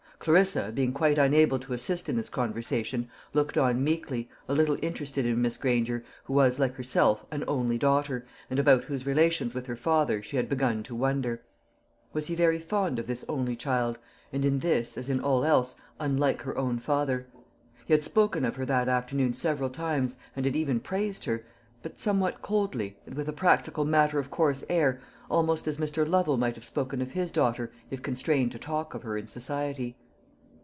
Clarissa, being quite unable to assist in this conversation, looked on meekly, a little interested in Miss Granger, who was, like herself, an only daughter, and about whose relations with her father she had begun to wonder. Was he very fond of this only child, and in this, as in all else, unlike her own father? He had spoken of her that afternoon several times, and had even praised her, but somewhat coldly, and with a practical matter of course air, almost as Mr. Lovel might have spoken of his daughter if constrained to talk of her in society.